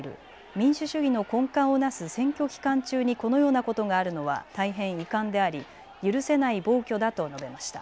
民主主義の根幹をなす選挙期間中にこのようなことがあるのは大変遺憾であり許せない暴挙だと述べました。